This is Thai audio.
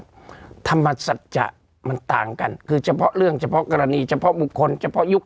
ธรรมสัจจะมันต่างกันคือเฉพาะเรื่องเฉพาะกรณีเฉพาะบุคคลเฉพาะยุค